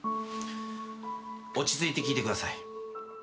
落ち着いて聞いてください。